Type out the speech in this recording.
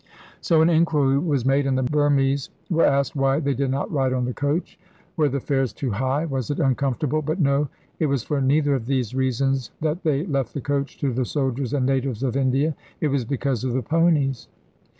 So an inquiry was made, and the Burmese were asked why they did not ride on the coach. Were the fares too high? was it uncomfortable? But no, it was for neither of these reasons that they left the coach to the soldiers and natives of India. It was because of the ponies.